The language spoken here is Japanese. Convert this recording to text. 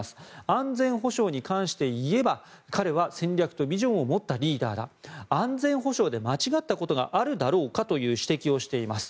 安全保障に関して言えば彼は戦略とビジョンを持ったリーダーだ安全保障で間違ったことがあるだろうかという指摘をしています。